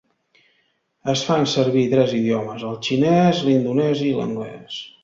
Es fan servir tres idiomes, el xinès, l'indonesi i l'anglès.